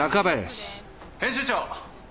編集長！